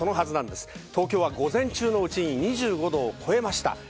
東京は午前中のうちに２５度を超えました。